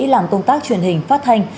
làm công tác truyền hình phát hành